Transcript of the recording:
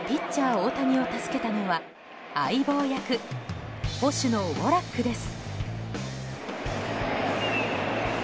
大谷を助けたのは相棒役、捕手のウォラックです。